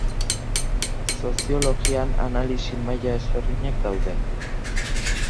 Soziologian, analisi maila desberdinak daude.